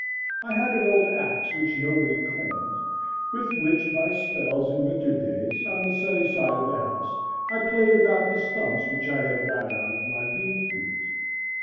I had an old axe which nobody claimed, with which by spells in winter days, on the sunny side of the house, I played about the stumps which I had got out of my bean field.